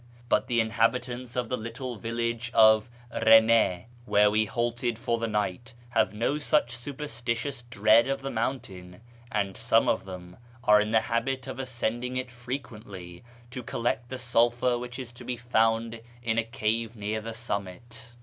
But the inhabitants of the little village of Eene, where we halted for the night, have no such superstitious dread of the mountain, and some of them are in the habit of ascending it frequently to collect the sulphur which is to be found in a cave near the summit.